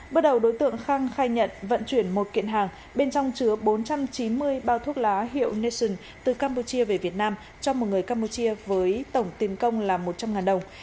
bước đầu đối tượng khang khai nhận vận chuyển một kiện hàng bên trong chứa bốn trăm chín mươi bao thuốc lá hiệu nation từ campuchia về việt nam cho một người campuchia với tổng tiền công là một trăm linh đồng